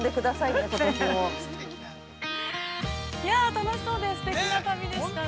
◆いや、楽しそうで、すてきなたびでしたね。